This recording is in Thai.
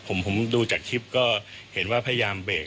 ผมดูจากคลิปก็เห็นว่าพยายามเบรก